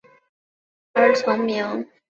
他因证出五维或以上的庞加莱猜想而成名。